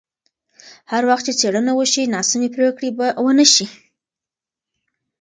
هر وخت چې څېړنه وشي، ناسمې پرېکړې به ونه شي.